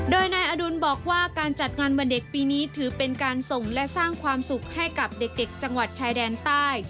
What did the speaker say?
โดยนายอดุลบอกว่าการจัดงานวันเด็กปีนี้ถือเป็นการส่งและสร้างความสุขให้กับเด็กจังหวัดชายแดนใต้